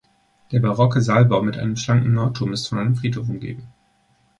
Der barocke Saalbau mit einem schlanken Nordturm ist von einem Friedhof umgeben.